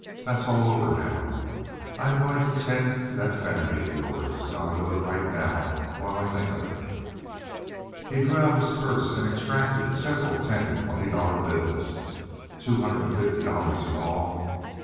"That's all over now. I'm going to 'tend to that family of yours. And I'll do it right now while I think of it." He drew out his purse and extracted several ten and twenty dollar bills—two hundred and fifty dollars in all.